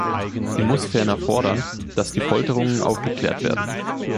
Sie muss ferner fordern, dass die Folterungen aufgeklärt werden.